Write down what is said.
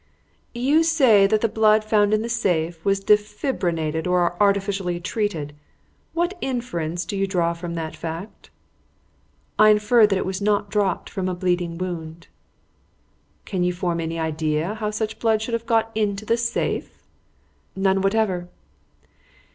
"You say that the blood found in the safe was defibrinated or artificially treated. What inference do you draw from that fact?" "I infer that it was not dropped from a bleeding wound." "Can you form any idea how such blood should have got into the safe?" "None whatever."